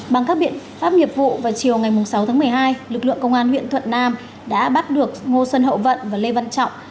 bằng các biện pháp nghiệp vụ vào chiều ngày sáu tháng một mươi hai lực lượng công an huyện thuận nam đã bắt được ngô xuân hậu vận và lê văn trọng